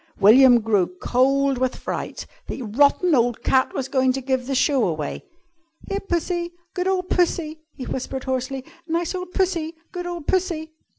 William grew cold with fright. The rotten old cat was going to give the show away! "Here, Pussy! Good ole Pussy!" he whispered hoarsely. "Nice ole Pussy! Good ole Pussy!"